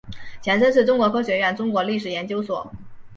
前身是中国科学院中国历史研究所。